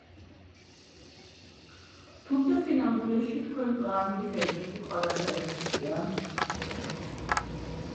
თუმცა სინამდვილეში თქვენ პლანეტის ერთ-ერთ ყველაზე ეფექტიან "